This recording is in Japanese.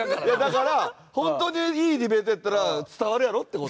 だから本当にいいディベートやったら伝わるやろ？って事。